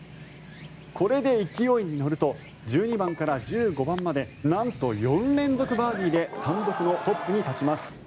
これで勢いに乗ると１２番から１５番までなんと４連続バーディーで単独のトップに立ちます。